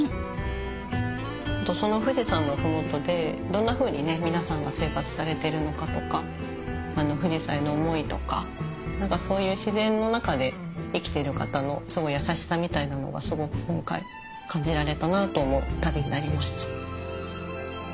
その富士山の麓でどんなふうに皆さんが生活されてるのかとか富士山への思いとかそういう自然の中で生きてる方の優しさみたいなのがすごく今回感じられたなと思う旅になりました。